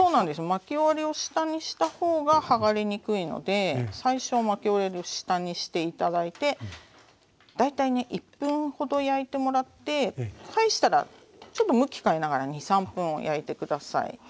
巻き終わりを下にした方が剥がれにくいので最初巻き終わりを下にして頂いて大体ね１分ほど焼いてもらって返したらちょっと向き変えながら２３分焼いて下さい。